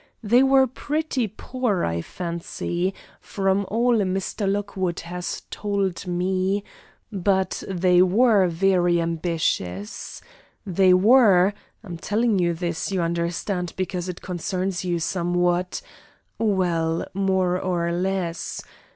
They were pretty poor, I fancy, from all Mr. Lockwood has told me, but they were very ambitious. They were I'm telling you this, you understand, because it concerns you somewhat: well, more or less.